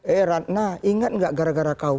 eh ratna ingat nggak gara gara kau